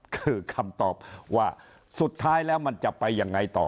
คือคำตอบว่าสุดท้ายแล้วมันจะไปยังไงต่อ